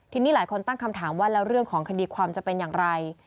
ทีนี้หลายคนตั้งคำถามว่าแล้วเรื่องของคดีความจะเป็นอย่างไร